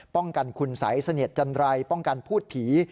ป้องกันคุณสัยเสนียดจันไรป้องกันพูดผี